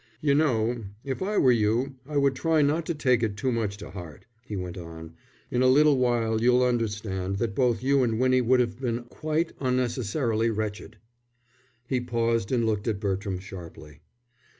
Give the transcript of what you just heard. "You know, if I were you I would try not to take it too much to heart," he went on. "In a little while you'll understand that both you and Winnie would have been quite unnecessarily wretched." He paused and looked at Bertram sharply.